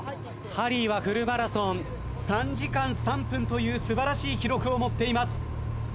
ハリーはフルマラソン３時間３分という素晴らしい記録を持っています。